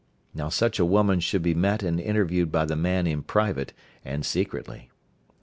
Now such a woman should be met and interviewed by the man in private and secretly.